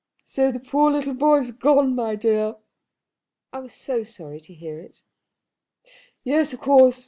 "So that poor little boy has gone, my dear?" "I was so sorry to hear it." "Yes, of course.